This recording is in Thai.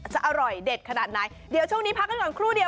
อร่อยเด็ดขนาดไหนเดี๋ยวช่วงนี้พักกันก่อนครู่เดียว